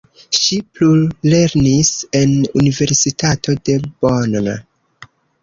Ŝi plulernis en universitato de Bonn.